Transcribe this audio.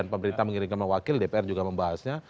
pemerintah mengirimkan wakil dpr juga membahasnya